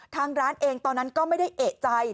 ทางร้านเองตอนนั้นก็ไม่ได้เอกใจ